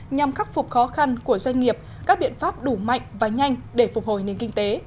nhằm khắc phục khó khăn của doanh nghiệp các biện pháp đủ mạnh và nhanh để phục hồi nền kinh tế